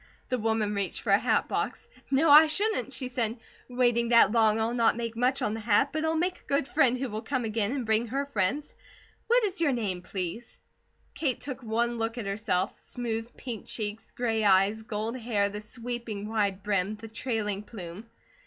The woman reached for a hat box. "No, I shouldn't!" she said. "Waiting that long, I'll not make much on the hat, but I'll make a good friend who will come again, and bring her friends. What is your name, please?" Kate took one look at herself smooth pink cheeks, gray eyes, gold hair, the sweeping wide brim, the trailing plume.